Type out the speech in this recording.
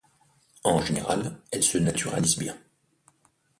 En général, elles se naturalisent bien.